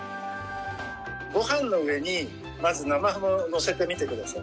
ご飯の上にまず生ハムをのせてみてください。